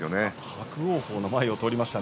伯桜鵬の前を通りました。